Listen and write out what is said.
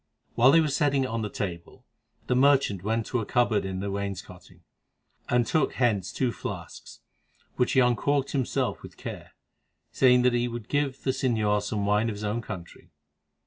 While they were setting it on the table, the merchant went to a cupboard in the wainscoting, and took thence two flasks, which he uncorked himself with care, saying that he would give the señor some wine of his own country.